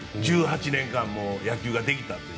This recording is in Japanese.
１８年間も野球ができたと。